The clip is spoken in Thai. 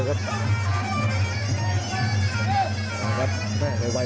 สวัสดิ์นุ่มสตึกชัยโลธสวัสดิ์